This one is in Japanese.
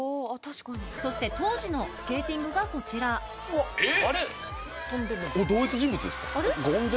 そして当時のスケーティングがこちらえっ？